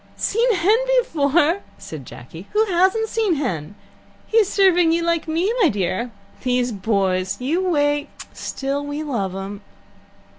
"Seen Hen before!" said Jacky. "Who hasn't seen Hen? He's serving you like me, my dear. These boys! You wait Still we love 'em."